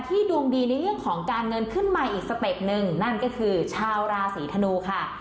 ดวงดีในเรื่องของการเงินขึ้นมาอีกสเต็ปหนึ่งนั่นก็คือชาวราศีธนูค่ะ